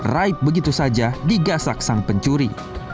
raib begitu saja digasak sang pencuri